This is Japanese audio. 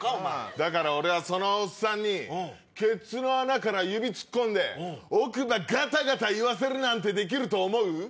だから俺はそのおっさんにケツの穴から指突っ込んで奥歯ガタガタいわせるなんてできると思う？